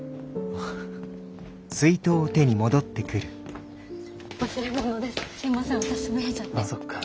あそっか。